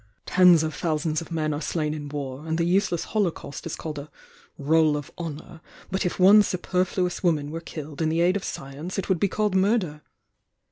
Tens of thousands of men are slain in war and the useless holocaust is called a 'Roll of Honour,' but if one superfluous woman were killed in the aid of science it would be called murder!